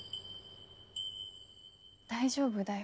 大丈夫だよ